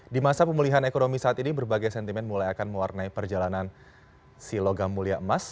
di masa pemulihan ekonomi saat ini berbagai sentimen mulai akan mewarnai perjalanan si logam mulia emas